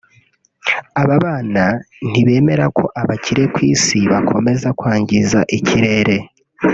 Aba bana ntibemera ko abakire ku Isi bakomeza kwangiza ikirere